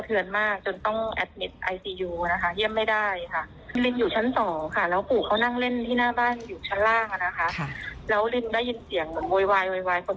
สิ่งที่ลิ้นเห็นก็คือบอยร์ได้กุ้งเข้ามาทำร้ายปู่